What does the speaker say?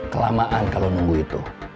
kelamaan kalau nunggu itu